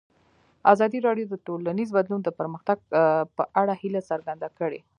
ازادي راډیو د ټولنیز بدلون د پرمختګ په اړه هیله څرګنده کړې.